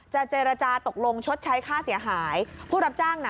เจรจาตกลงชดใช้ค่าเสียหายผู้รับจ้างน่ะ